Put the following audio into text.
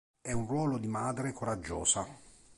È un ruolo di madre coraggiosa.